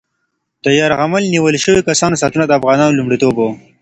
د یرغمل نیول شوي کسانو ساتنه د افغانانو لومړیتوب و.